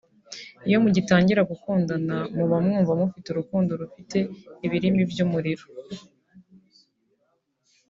Iyo mugitangira gukundana muba mwumva mufite urukundo rufite ibirimi by’umuriro